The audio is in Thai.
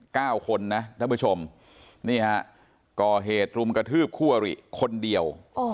คนนะท่านผู้ชมนี่ฮะก่อเหตุรุมกระทืบคู่อริคนเดียว